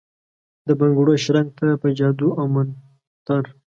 دبنګړو شرنګ ته ، په جادو اومنتر ،